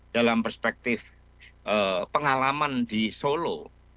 dalam perspektif pengalaman di solo